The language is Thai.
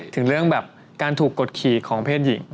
ถึงเรื่องแบบการถูกกดขี่ของเพศหญิง